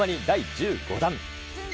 第１５弾。